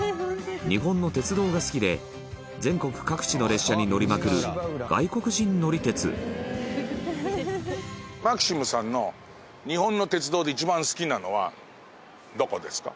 日本の鉄道が好きで全国各地の列車に乗りまくる外国人乗り鉄マキシムさんの、日本の鉄道で一番好きなのはどこですか？